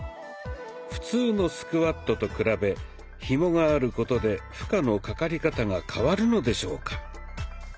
普通のスクワットと比べひもがあることで負荷のかかり方が変わるのでしょうか。